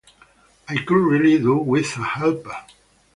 I could really do with a helper.